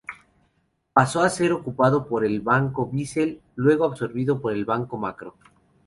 Pasó a ser ocupado por el Banco Bisel, luego absorbido por el Banco Macro.